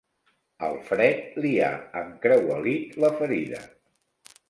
El fred li ha encruelit la ferida.